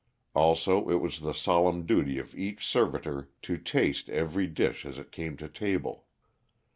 Also, it was the solemn duty of each servitor to taste every dish as it came to table.